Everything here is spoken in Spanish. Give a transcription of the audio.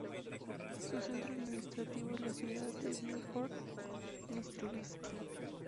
Su centro administrativo es la ciudad de Bilhorod-Dnistrovskyi.